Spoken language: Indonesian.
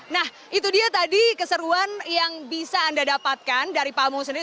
nah itu dia tadi keseruan yang bisa anda dapatkan dari pamung sendiri